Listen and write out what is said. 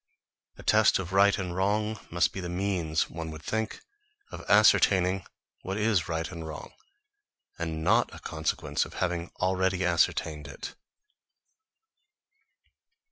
A test of right and wrong must be the means, one would think, of ascertaining what is right or wrong, and not a consequence of having already ascertained it.